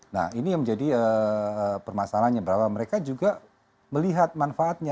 nah ini yang menjadi permasalahannya bahwa mereka juga melihat manfaatnya